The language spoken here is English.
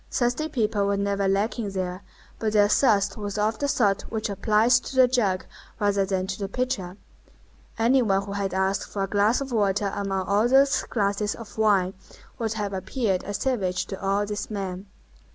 Thirsty people were never lacking there; but their thirst was of the sort which applies to the jug rather than to the pitcher. Any one who had asked for a glass of water among all those glasses of wine would have appeared a savage to all these men.